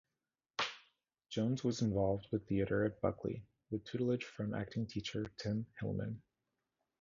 Jones was involved with theatre at Buckley, with tutelage from acting teacher Tim Hillman.